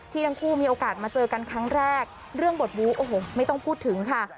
ทั้งคู่มีโอกาสมาเจอกันครั้งแรกเรื่องบทบู๊โอ้โหไม่ต้องพูดถึงค่ะ